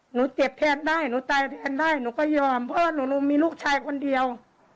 หนูเจ็บแทนได้หนูตายแทนได้หนูก็ยอมเพราะว่าหนูมีลูกชายคนเดียว